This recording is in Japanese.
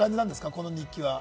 この日記は。